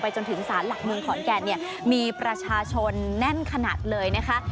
จนถึงสารหลักเมืองขอนแก่นเนี่ยมีประชาชนแน่นขนาดเลยนะคะ